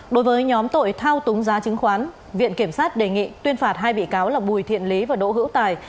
đối với nhóm tội thao túng giá chứng khoán viện kiểm sát đề nghị tuyên phạt hai bị cáo là bùi thiện lý và đỗ hữu tài